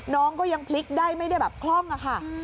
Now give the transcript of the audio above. น้องก็ยังพลิกได้ไม่ได้แบบคล่องอะค่ะ